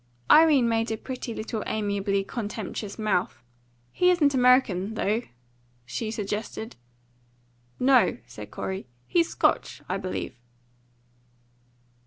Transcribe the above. Irene made a pretty little amiably contemptuous mouth. "He isn't American, though?" she suggested. "No," said Corey; "he's Scotch, I believe."